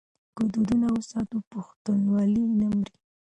که دودونه وساتو نو پښتونوالي نه مري.